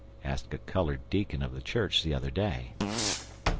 asked a colored deacon of the church the other day.